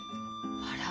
あら！